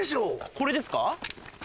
これですか？